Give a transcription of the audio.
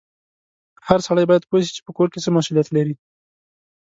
هر سړی باید پوه سي چې په کور کې څه مسولیت لري